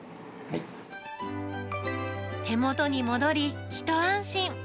手元に戻り、一安心。